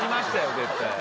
絶対。